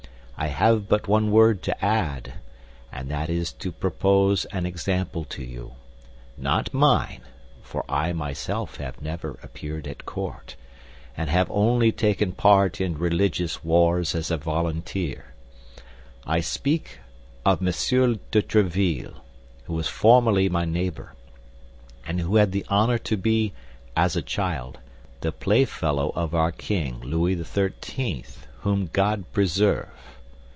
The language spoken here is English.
I have but one word to add, and that is to propose an example to you—not mine, for I myself have never appeared at court, and have only taken part in religious wars as a volunteer; I speak of Monsieur de Tréville, who was formerly my neighbor, and who had the honor to be, as a child, the play fellow of our king, Louis XIII., whom God preserve!